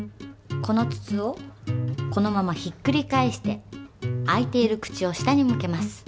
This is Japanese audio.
この筒をこのままひっくり返して開いている口を下に向けます。